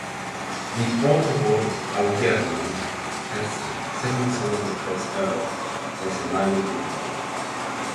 The Honourable Algernon Percy, second son of the first Earl, was a minor diplomat.